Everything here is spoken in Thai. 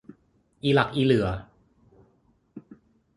อิหลักอิเหลื่อ